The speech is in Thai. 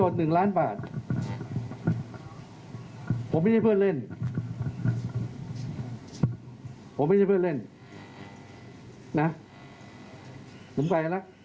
แต่สิบล้านแต่มันก็เป็นเงินเหมือนกันไงคะ